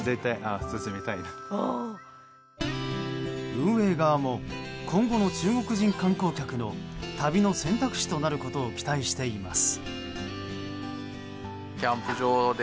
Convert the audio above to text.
運営側も今後の中国人観光客の旅の選択肢となることを期待しています。